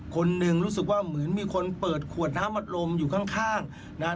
คนหนึ่งรู้สึกว่าเหมือนมีคนเปิดขวดน้ำอัดลมอยู่ข้างนะฮะ